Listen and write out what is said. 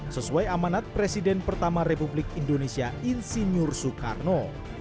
sesuai amanat presiden pertama republik indonesia insinyur soekarno